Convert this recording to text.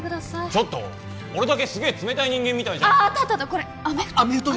ちょっと俺だけすげえ冷たい人間みたいじゃんあったあった